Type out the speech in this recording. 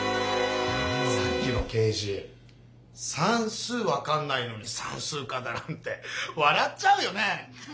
さっきの刑事さんすう分かんないのにさんすう課だなんてわらっちゃうよね！